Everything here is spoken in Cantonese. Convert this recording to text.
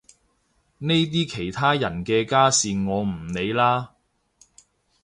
呢啲其他人嘅家事我唔理啦